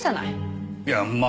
いやまあ